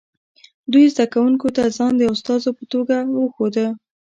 دوی زده کوونکو ته ځان د استازو په توګه ښوده